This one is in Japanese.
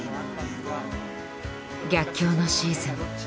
逆境のシーズン。